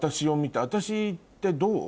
私ってどう？